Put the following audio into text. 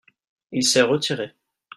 il s'est retiré.